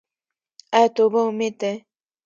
آیا توبه امید دی؟